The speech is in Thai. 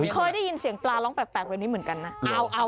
เคยได้ยินเสียงปลาร้องแปลกแบบนี้เหมือนกันนะ